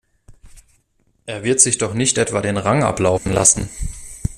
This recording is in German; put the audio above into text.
Er wird sich doch nicht etwa den Rang ablaufen lassen?